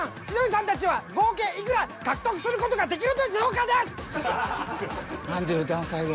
千鳥さんたちは合計いくら獲得する事ができるのでしょうか？